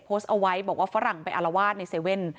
โพสต์เอาไว้บอกว่าฝรั่งไปอารวาสในเว่น